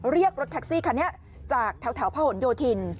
เรียกรถแท็กซี่คันนี้จากแถวพะหนโยธิน